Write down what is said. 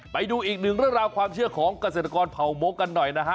ไปดูอีกหนึ่งเรื่องราวความเชื่อของเกษตรกรเผามกกันหน่อยนะฮะ